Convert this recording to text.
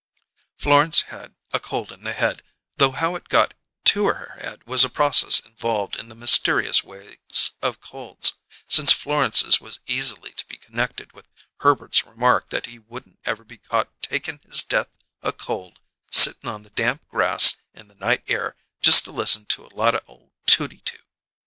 Florence had a cold in the head, though how it got to her head was a process involved in the mysterious ways of colds, since Florence's was easily to be connected with Herbert's remark that he wouldn't ever be caught takin' his death o' cold sittin' on the damp grass in the night air just to listen to a lot o' tooty tooty.